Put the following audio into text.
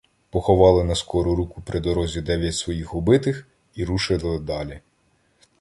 Поховали на скору руку при дорозі дев'ять своїх убитих і рушили далі.